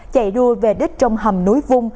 chạy đua về đích trong hầm núi vung